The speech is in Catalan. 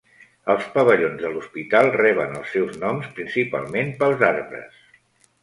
Els pavellons de l'hospital reben els seus noms principalment pels arbres.